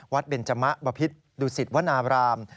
วัดเบนจมะบพิษศัตริญดูศิษภ์วนาาราณ